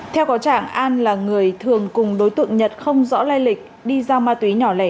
theo có trạng an là người thường cùng đối tượng nhật không rõ lai lịch đi giao ma túy nhỏ lẻ